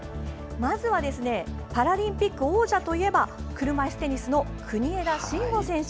まずはパラリンピック王者といえば車いすテニスの国枝慎吾選手。